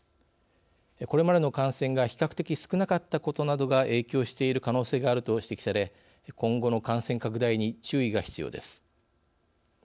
これまでの感染が比較的少なかったことなどが影響している可能性があると指摘され今後の感染拡大に注意が必要です。